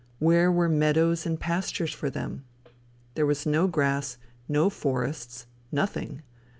Where were meadows and pastures for them? There was no grass, no forests nothing!